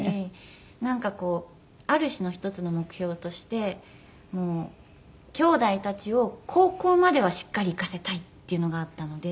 なんかこうある種の一つの目標としてきょうだいたちを高校まではしっかり行かせたいっていうのがあったので。